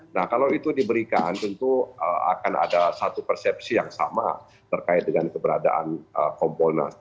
nah kalau itu diberikan tentu akan ada satu persepsi yang sama terkait dengan keberadaan kompolnas